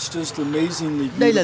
đây là lần đầu tiên